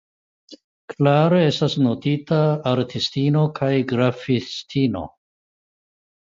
Clare estas notita artistino kaj grafistino.